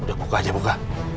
udah buka aja buka